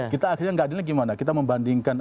kita akhirnya enggak adil gimana kita membandingkan